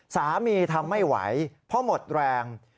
สามีทำไม่ไหวเพราะหมดแรง